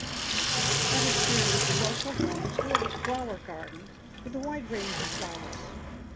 Abashiri is also home to a flower garden with a wide range of flowers.